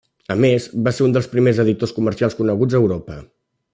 A més, va ser un dels primers editors comercials coneguts a Europa.